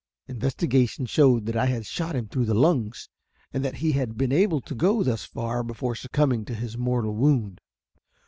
Investigation showed that I had shot him through the lungs, and that he had been able to go thus far before succumbing to his mortal wound.